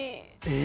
え？